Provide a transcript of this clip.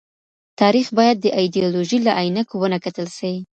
تاريخ بايد د ايډيالوژۍ له عينکو ونه کتل سي.